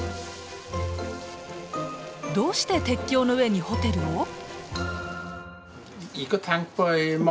どうして鉄橋の上にホテルを？